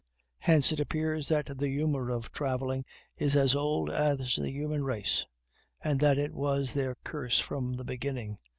Hence it appears that the humor of traveling is as old as the human race, and that it was their curse from the beginning.